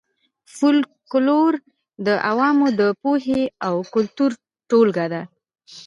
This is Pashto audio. فولکلور د عوامو د پوهې او کلتور ټولګه ده